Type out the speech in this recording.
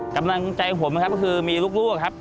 กำลังใจของผมก็คือมีลูกครับ